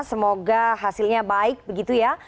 semoga hasilnya baik begitu ya